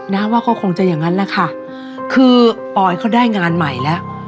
นะว่าเขาคงจะอย่างนั้นแหละค่ะคือออยเขาได้งานใหม่แล้ว